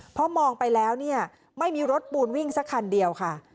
เพราะมองไปแล้วเนี่ยไม่มีรถปูนวิ่งสักคันเดียวค่ะ